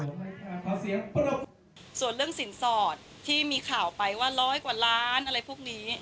ส่วนเรื่องสินสอดที่มีข่าวไปว่าร้อยกว่าล้านอะไรพวกนี้